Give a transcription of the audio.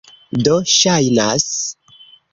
Do, ŝajnas...